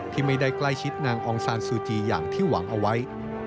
ที่ไม่ได้ใกล้ชิดนางองซานซูจีอย่างที่หวังเอาไว้